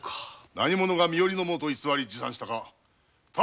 何者が身寄りの者と偽り持参したか直ちに探索を。